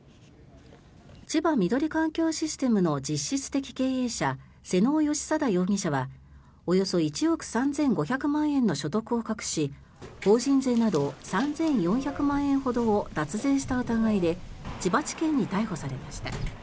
千葉緑環境システムの実質的経営者、妹尾整定容疑者はおよそ１億３５００万円の所得を隠し法人税など３４００万円ほどを脱税した疑いで千葉地検に逮捕されました。